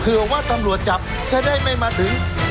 เผื่อว่าธรรมจบจะได้ไม่มาถึง